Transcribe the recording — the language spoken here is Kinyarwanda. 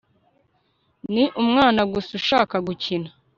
ni umwana gusa ushaka gukina